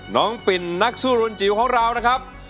ปิ่นนักสู้รุนจิ๋วของเรานะครับ